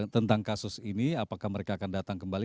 tentang kasus ini apakah mereka akan datang kembali